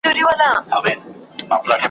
محتسبه جنتي ستا دي روزي سي ,